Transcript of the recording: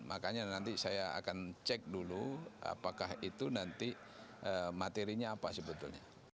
makanya nanti saya akan cek dulu apakah itu nanti materinya apa sebetulnya